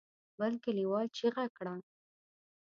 بل کليوال چيغه کړه.